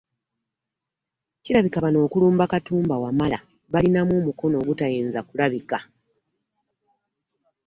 Kirabika bano okulumba Katumba Wamala balinamu omukono ogutayinza kulabika.